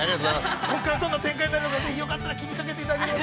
ここからどんな展開になるのかぜひよかったら気にかけていただいて。